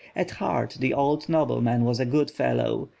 At heart the old noble was a good fellow.